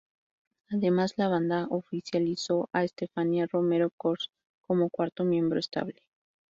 Además, la banda oficializó a Estefanía Romero-Cors como cuarto miembro estable.